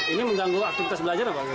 ini mengganggu aktivitas belajar apa